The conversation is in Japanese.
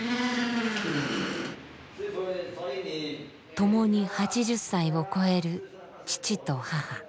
共に８０歳を超える父と母。